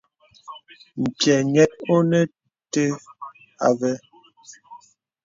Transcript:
M̀pyɛ̌ nyɛ̄t onə nte avə.